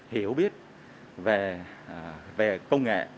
hiểu biết về công nghệ